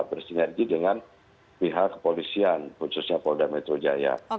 bersinergi dengan pihak kepolisian khususnya pak kapolda metro jaya